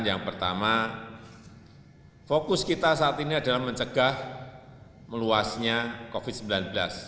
yang pertama fokus kita saat ini adalah mencegah meluasnya covid sembilan belas